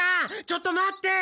ちょっと待って！